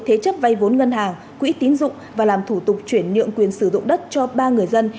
thế chấp vay vốn ngân hàng quỹ tín dụng và làm thủ tục chuyển nhượng quyền sử dụng đất cho ba người dân